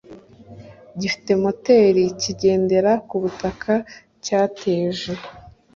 gifite moteri kigendera ku butaka cyateje